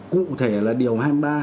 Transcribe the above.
cụ thể là điều hai mươi ba